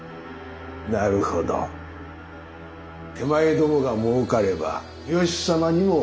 なるほど手前どもがもうかれば三好様にもお金が渡る。